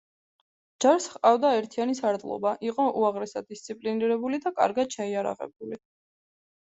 ჯარს ჰყავდა ერთიანი სარდლობა, იყო უაღრესად დისციპლინირებული და კარგად შეიარაღებული.